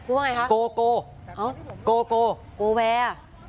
พูดว่าไงครับกูโกโกโกแว่